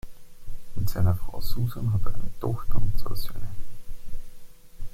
Mit seiner Frau Susan hat er eine Tochter und zwei Söhne.